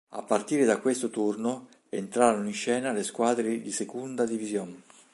A partire da questo turno entrarono in scena le squadre di Segunda División.